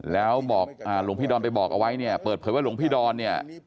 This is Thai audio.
แล้วบอกหลวงพี่ดอนไปบอกเอาไว้เนี่ยเปิดเผยว่าหลวงพี่ดอนเนี่ย